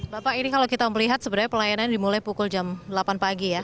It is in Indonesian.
bapak ini kalau kita melihat sebenarnya pelayanan dimulai pukul jam delapan pagi ya